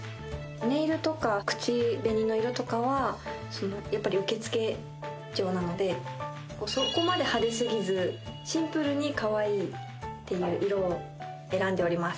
ネイルとか口紅の色とかはやっぱり受付嬢なのでそこまで派手すぎずシンプルにかわいいっていう色を選んでおります